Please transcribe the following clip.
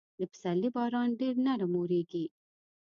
د پسرلي باران ډېر نرم اورېږي.